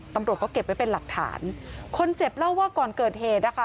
ตำรวจก็เก็บไว้เป็นหลักฐานคนเจ็บเล่าว่าก่อนเกิดเหตุนะคะ